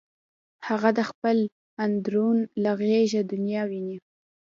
هغه د خپل اندرون له غږه دنیا ویني